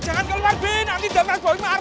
coba kita berangkat